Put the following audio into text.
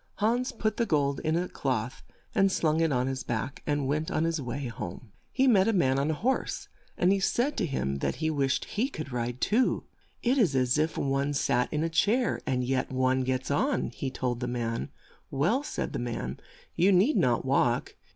Hans put the gold in a cloth, and slung it on his back, and went on his way home. He met a man on a horse, and he said to him that he 126 HANS IN LUCK wished he could ride too. "It is as if one sat in a chair, and yet one gets on," he told the man. "Well," said the man, "You need not walk.